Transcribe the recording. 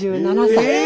８７歳で。